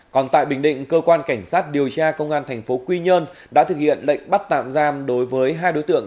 còn tại bình định cơ quan cảnh sát điều tra công an thành phố quy nhơn đã thực hiện lệnh bắt tạm giam đối với hai đối tượng